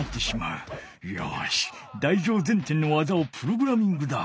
よし台上前転の技をプログラミングだ！